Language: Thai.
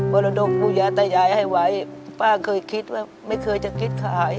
รดกปู่ยาตายายให้ไว้ป้าเคยคิดว่าไม่เคยจะคิดขาย